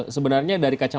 sebenarnya dari kesimpulan